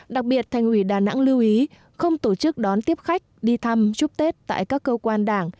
đặc biệt thành ủy đà nẵng lưu ý không tổ chức đón tiếp khách đi thăm chúc tết tại các cơ quan đảng